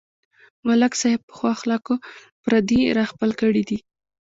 ملک صاحب په ښو اخلاقو پردي راخپل کړي دي.